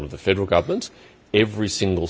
mereka memiliki sokongan dari pemerintah negara